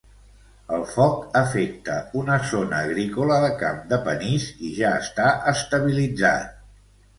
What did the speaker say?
El foc afecta una zona agrícola de camp de panís i ja està estabilitzat.